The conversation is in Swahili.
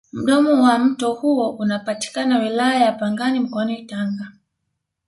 mdomo wa mto huo unapatikana wilaya ya pangani mkoani tanga